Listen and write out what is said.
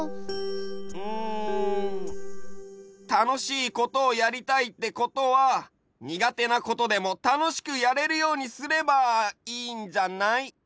うんたのしいことをやりたいってことはにがてなことでもたのしくやれるようにすればいいんじゃない？